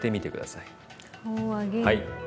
はい。